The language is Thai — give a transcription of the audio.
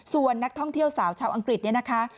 ส่วนนักท่องเที่ยวสาวชาวอังกฤษเนี่ยนะคะ